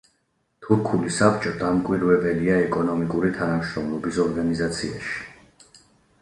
თურქული საბჭო დამკვირვებელია ეკონომიკური თანამშრომლობის ორგანიზაციაში.